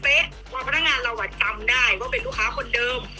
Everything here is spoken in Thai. เพราะพนักงานเราจำได้ว่าเป็นลูกค้าคนเดิม